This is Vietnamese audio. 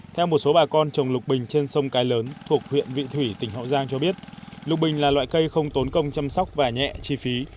theo một số bà con trồng lục bình trên sông cái lớn thuộc huyện vị thủy tỉnh hậu giang cho biết lục bình là loại cây không tốn công chăm sóc và nhẹ chi phí